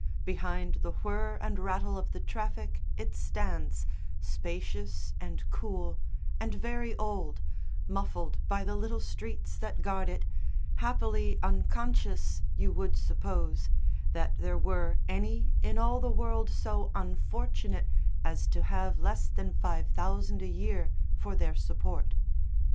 Behind the whir and rattle of the traffic it stands, spacious and cool and very old, muffled by the little streets that guard it, happily unconscious, you would suppose, that there were any in all the world so unfortunate as to have less than five thousand a year for their support.